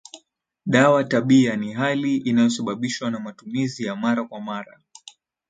dawa tabia ni hali inayosababishwa na matumizi ya mara kwa mara